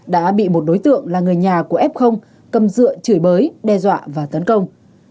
đã bị một đối tượng là người nhà của f cầm dựa chửi bới đe dọa và tấn công